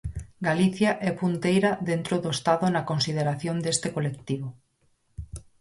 Galicia é punteira dentro do Estado na consideración deste colectivo.